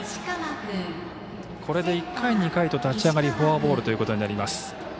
これで１回、２回と立ち上がりフォアボールとなります。